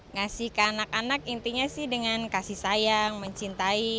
ngasih ke anak anak intinya sih dengan kasih sayang mencintai